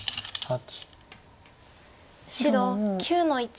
白９の一。